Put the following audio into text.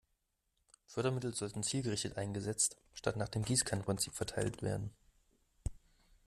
Fördermittel sollten zielgerichtet eingesetzt statt nach dem Gießkannen-Prinzip verteilt werden.